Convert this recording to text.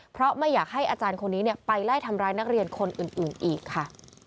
เพราะไม่อยากให้อาจารย์คนนี้ไปไล่ทำร้ายนักเรียนคนอื่นอีกค่ะ